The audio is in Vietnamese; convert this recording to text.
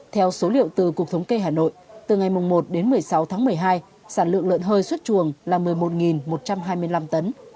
theo số liệu từ cục thống kê hà nội từ ngày một đến một mươi sáu tháng một mươi hai sản lượng lợn hơi xuất chuồng là một mươi một một trăm hai mươi năm tấn